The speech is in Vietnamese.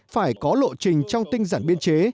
phải có lộ trình trong tinh giản biên chế